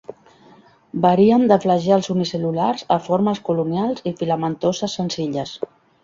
Varien de flagels unicel·lulars a formes colonials i filamentoses senzilles.